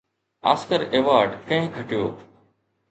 Oscar award ڪنهن کٽيو؟